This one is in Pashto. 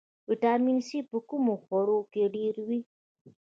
ویټامین سي په کومو خوړو کې ډیر وي